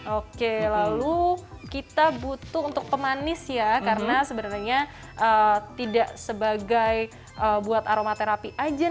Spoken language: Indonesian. oke lalu kita butuh untuk pemanis ya karena sebenarnya tidak sebagai buat aromaterapi aja